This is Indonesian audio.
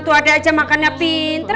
tuh ade aja makannya pinter